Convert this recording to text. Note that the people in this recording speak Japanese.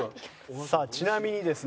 さあちなみにですね